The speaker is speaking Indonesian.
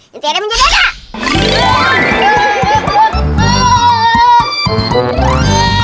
nanti ada menjadi ada